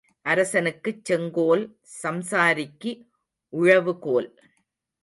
அரசனுக்குச் செங்கோல் சம்சாரிக்கு உழவு கோல்.